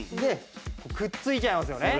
くっついちゃいますよね？